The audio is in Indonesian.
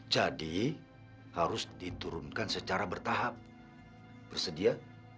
harus diturunkan secara bertahap bersedia